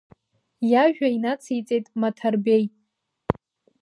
Иажәа инациҵеит Маҭарбеи.